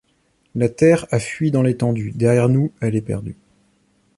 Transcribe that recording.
La terre a fui dans l’étendue ;Derrière nous elle est perdue!